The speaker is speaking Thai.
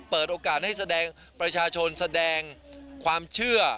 เปิดโอกาสให้แสดงประชาชนแสดงความเชื่อ